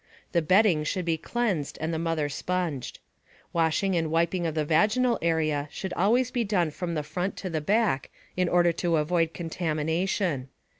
The bedding should be cleansed and the mother sponged. Washing and wiping of the vaginal area should always be done from the front to the back in order to avoid contamination.